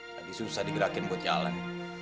tadi susah digerakin buat jalan